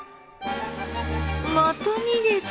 また逃げた。